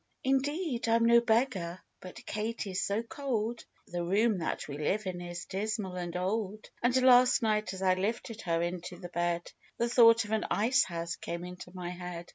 " 4 Indeed, I'm no beggar, but Katy's so cold ! The room that we live in is dismal and old ; And, last night, as I lifted her into the bed, The thought of an ice house came into my head.